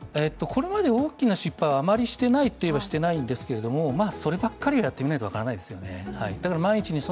これまで大きな失敗はあまりしていないといえば、していないんですけど、そればかりは、やってみないと分からないですよね。